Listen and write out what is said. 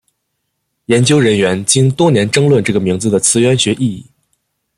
研究人员经多年争论这个名字的词源学意义。